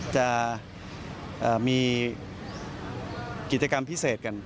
จะมีกิจกรรมพิเศษกัน